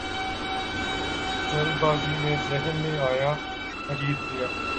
جلد بازی میں ذہن میں آیا خرید لیا